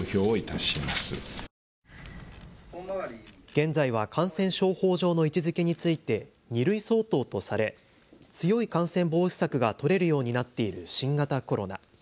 現在は感染症法上の位置づけについて２類相当とされ強い感染防止策が取れるようになっている新型コロナ。